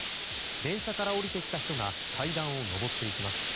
電車から降りてきた人が階段を上っていきます。